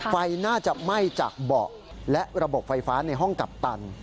ไฟน่าจะไหม้จากเบาะและระบบไฟฟ้าในห้องกัปตัน